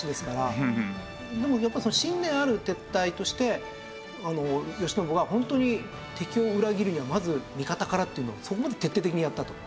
でもやっぱりその信念ある撤退として慶喜は本当に敵を裏切るにはまず味方からっていうのをそこまで徹底的にやったと。